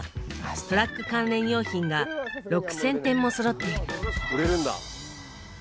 トラック関連用品が６，０００点もそろっている。